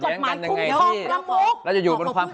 มันมีกฎหมายพูดพรหมก